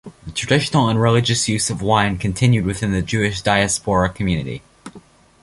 The traditional and religious use of wine continued within the Jewish diaspora community.